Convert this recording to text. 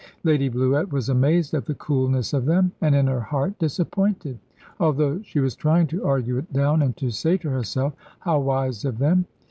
Lady Bluett was amazed at the coolness of them, and in her heart disappointed; although she was trying to argue it down, and to say to herself, "How wise of them!"